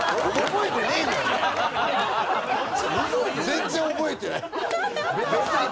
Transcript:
全然覚えてない。